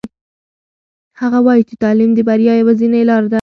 هغه وایي چې تعلیم د بریا یوازینۍ لاره ده.